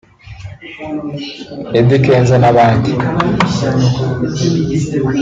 Eddy Kenzo n’abandi